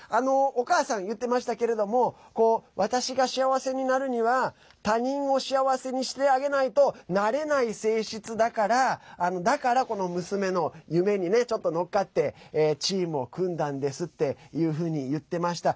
お母さん言ってましたけれども私が幸せになるには他人を幸せにしてあげないとなれない性質だからだから、娘の夢にちょっと乗っかってチームを組んだんですっていうふうに言ってました。